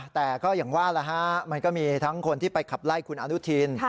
แต่ก็อย่างว่ามันก็มีทั้งคนที่ไปขับไล่คุณอนุทิน